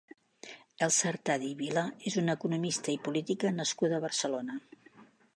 Elsa Artadi i Vila és una economista i política nascuda a Barcelona.